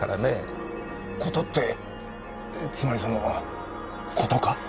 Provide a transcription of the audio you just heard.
事ってつまりその事か？